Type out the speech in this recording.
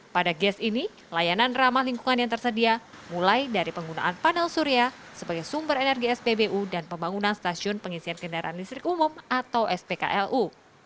pada gas ini layanan ramah lingkungan yang tersedia mulai dari penggunaan panel surya sebagai sumber energi spbu dan pembangunan stasiun pengisian kendaraan listrik umum atau spklu